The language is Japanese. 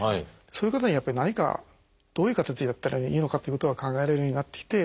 そういう方にやっぱり何かどういう形でやったらいいのかということが考えられるようになってきて。